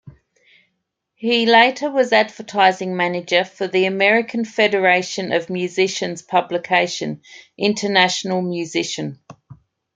He later was advertising manager for the American Federation of Musicians publication, International Musician.